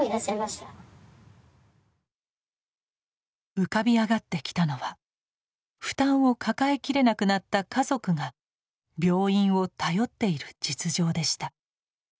浮かび上がってきたのは負担を抱えきれなくなった家族が病院を頼っている実情でした。